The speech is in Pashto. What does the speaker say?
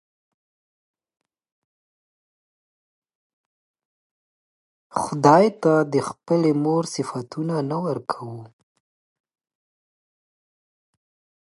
خداى ته د خپلې مور صفتونه نه ورکوو